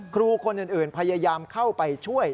ครูคนอื่นพยายามเข้าไปช่วย